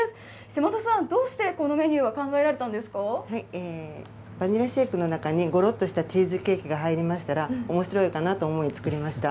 嶋田さん、どうしてこのメニューバニラシェイクの中にごろっとしたチーズケーキが入りましたら、おもしろいかなと思い、作りました。